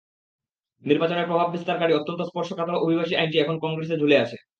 নির্বাচনে প্রভাব বিস্তারকারী অত্যন্ত স্পর্শকাতর অভিবাসী আইনটি এখন কংগ্রেসে ঝুলে আছে।